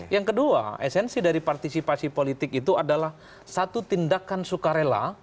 yang kedua esensi dari partisipasi politik itu adalah satu tindakan sukarela